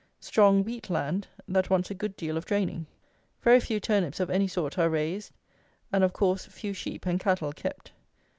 Strong, wheat land, that wants a good deal of draining. Very few turnips of any sort are raised; and, of course, few sheep and cattle kept.